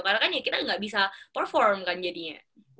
karena kan ya kita nggak bisa perform kan jadinya